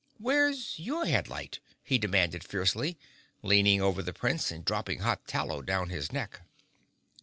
Where's your headlight?" he demanded fiercely, leaning over the Prince and dropping hot tallow down his neck.